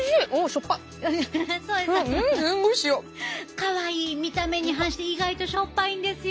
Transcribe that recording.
かわいい見た目に反して意外としょっぱいんですよ